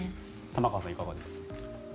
玉川さん、いかがです？